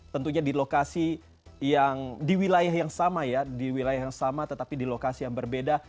tentunya di lokasi yang di wilayah yang sama ya di wilayah yang sama tetapi di lokasi yang berbeda